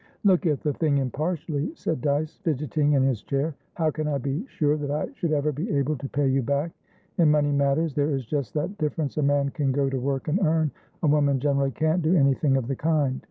"Look at the thing impartially," said Dyce, fidgetting in his chair. "How can I be sure that I should ever be able to pay you back? In money matters there is just that difference a man can go to work and earn; a woman generally can't do anything of the kind.